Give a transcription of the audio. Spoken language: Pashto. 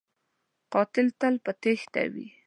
قاتل تل په تیښته وي